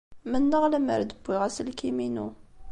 Mennaɣ lemmer d-wwiɣ aselkim-inu.